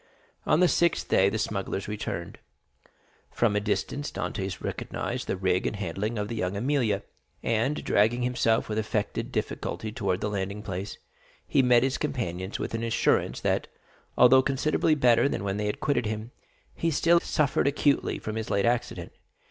On the sixth day, the smugglers returned. From a distance Dantès recognized the rig and handling of La Jeune Amélie, and dragging himself with affected difficulty towards the landing place, he met his companions with an assurance that, although considerably better than when they quitted him, he still suffered acutely from his late accident.